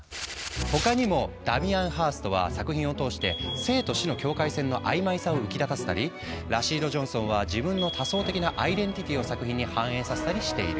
他にもダミアン・ハーストは作品を通して生と死の境界線のあいまいさを浮き立たせたりラシード・ジョンソンは自分の多層的なアイデンティティを作品に反映させたりしている。